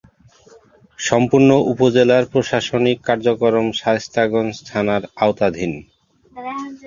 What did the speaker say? সম্পূর্ণ উপজেলার প্রশাসনিক কার্যক্রম শায়েস্তাগঞ্জ থানার আওতাধীন।